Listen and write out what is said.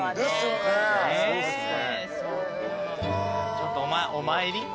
ちょっとお参り。